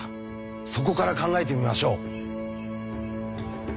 そこから考えてみましょう。